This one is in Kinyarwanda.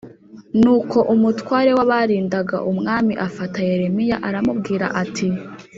Nuko umutware w abarindaga umwami afata Yeremiya aramubwira ati